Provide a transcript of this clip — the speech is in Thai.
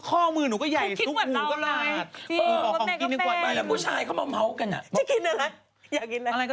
ค่อมือหนูก็ใหญ่ทุกหมูก็ราดพูดคิดเหมือนเรานายดีรอบแต่ก็แปลง